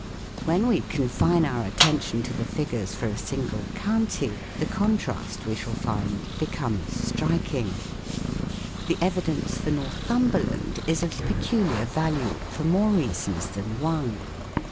When we confine our attention to the figures for a single county, the contrast, we shall find, becomes striking. The evidence for Northumberland is of peculiar value for more reasons than one.